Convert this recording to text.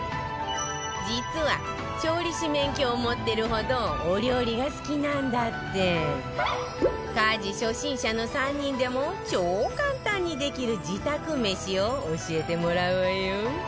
実は調理師免許を持ってるほどお料理が好きなんだって家事初心者の３人でも超簡単にできる自宅めしを教えてもらうわよ